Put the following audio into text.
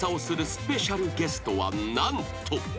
スペシャルゲストは何と］